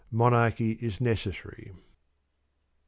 Monarchy is necessary. 8.